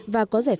và có rẻ khóa